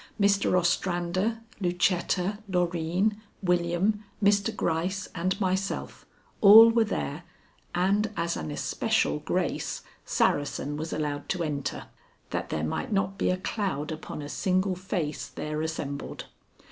Mr. Ostrander, Lucetta, Loreen, William, Mr. Gryce, and myself, all were there, and as an especial grace, Saracen was allowed to enter, that there might not be a cloud upon a single face there assembled.